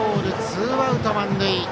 ツーアウト満塁。